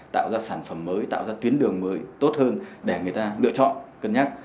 tạo ra sản phẩm mới tạo ra tuyến đường mới tốt hơn để người ta lựa chọn cân nhắc